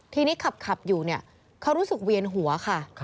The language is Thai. ทีนี้ขับอยู่เนี่ยเขารู้สึกเวียนหัวค่ะ